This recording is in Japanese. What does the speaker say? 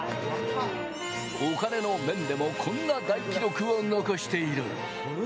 お金の面でもこんな大記録を残している。